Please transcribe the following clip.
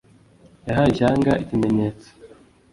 yahaye ishyanga ikimenyetso